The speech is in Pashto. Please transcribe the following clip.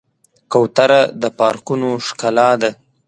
کوتره د پارکونو ښکلا ده.